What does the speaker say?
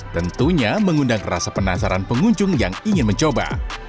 tentunya mengundang rasa penasaran pengunjung yang ingin mencoba